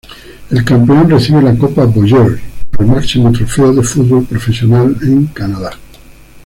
El campeón recibe la Copa Voyageurs, el máximo trofeo de fútbol profesional en Canadá.